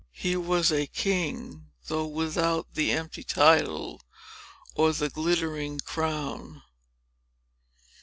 He was a king, though without the empty title, or the glittering crown.